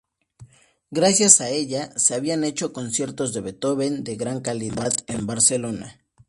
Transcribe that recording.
Gracias a ella, se habían hecho conciertos de Beethoven de gran calidad en Barcelona.